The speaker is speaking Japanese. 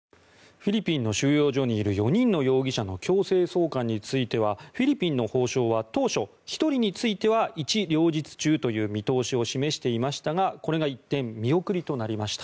フィリピンの収容所にいる４人の容疑者の強制送還についてはフィリピンの法相は当初、１人については一両日中という見通しを示していましたがこれが一転見送りとなりました。